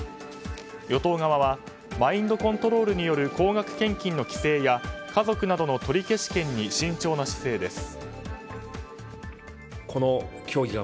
与党側はマインドコントロールによる高額献金の規制や家族などの取消権に慎重な姿勢です。